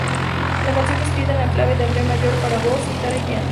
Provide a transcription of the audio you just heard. La canción fue escrita en clave de Re mayor para voz, guitarra y piano.